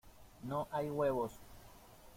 ¡ no hay huevos!